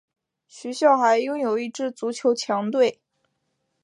学校还拥有一支足球强队。